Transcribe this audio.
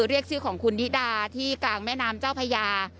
เรียกชื่อของคุณนิดาที่กลางแม่น้ำเจ้าพญา